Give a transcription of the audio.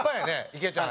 いけちゃん。